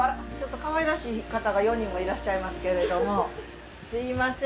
かわいらしい方が４人もいらっしゃいますけれどもすいません